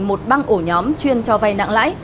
một băng ổ nhóm chuyên cho vay nặng lãi